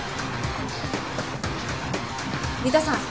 三田さん